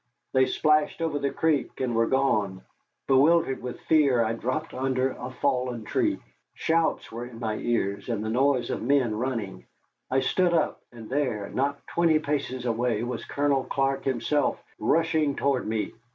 They splashed over the creek and were gone. Bewildered with fear, I dropped under a fallen tree. Shouts were in my ears, and the noise of men running. I stood up, and there, not twenty paces away, was Colonel Clark himself rushing toward me.